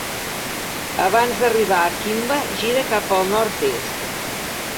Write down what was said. Abans d'arribar a Kimba, gira cap al nord-est.